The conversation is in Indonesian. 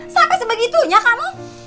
sampai sebegitunya kamu